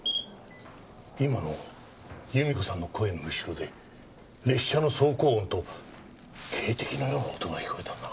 今の由美子さんの声の後ろで列車の走行音と警笛のような音が聞こえたんだが。